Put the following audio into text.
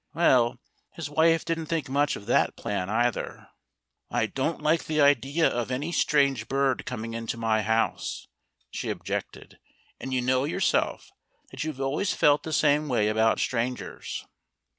Well, his wife didn't think much of that plan, either. "I don't like the idea of any strange bird coming into my house," she objected. "And you know yourself that you've always felt the same way about strangers."